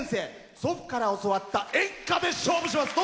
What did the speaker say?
祖父から教わった演歌で勝負します。